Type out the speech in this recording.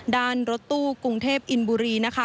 รถตู้กรุงเทพอินบุรีนะคะ